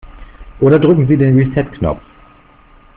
Oder drücken Sie den Reset-Knopf.